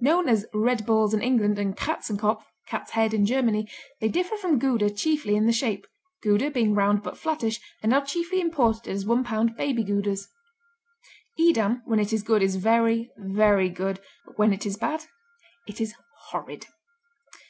Known as "red balls" in England and katzenkopf, "cat's head," in Germany, they differ from Gouda chiefly in the shape, Gouda being round but flattish and now chiefly imported as one pound Baby Goudas. Edam when it is good is very, very good, but when it is bad it is horrid.